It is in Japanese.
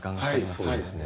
そうですね。